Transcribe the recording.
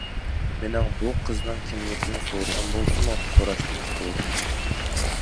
مېنىڭ بۇ قىزنىڭ كىملىكىنى سورىغۇم بولسىمۇ، سوراشتىن قورۇندۇم.